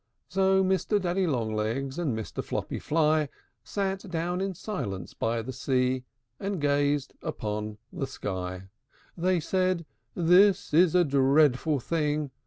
VI. So Mr. Daddy Long legs And Mr. Floppy Fly Sat down in silence by the sea, And gazed upon the sky. They said, "This is a dreadful thing!